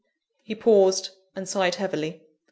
He paused, and sighed heavily.